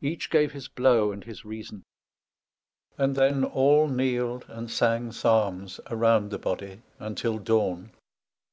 Each gave his blow and his reason; and then all kneeled and sang psalms around the body till the dawn.